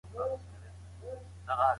د مېوو تازه والی د صحت نښه ده.